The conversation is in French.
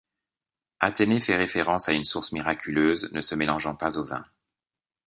Athénée fait référence à une source miraculeuse ne se mélangeant pas au vin.